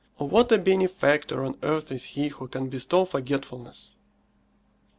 What a benefactor on earth is he who can bestow forgetfulness!